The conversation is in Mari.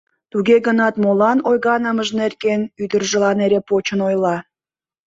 Туге гынат молан ойганымыж нерген ӱдыржылан эре почын ойла.